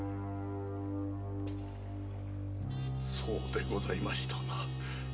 そうでございましたな。